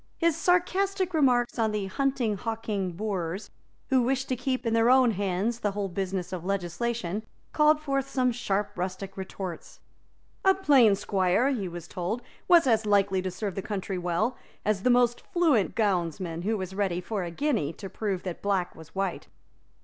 His sarcastic remarks on the hunting, hawking boors, who wished to keep in their own hands the whole business of legislation, called forth some sharp rustic retorts. A plain squire, he was told, was as likely to serve the country well as the most fluent gownsman, who was ready, for a guinea, to prove that black was white.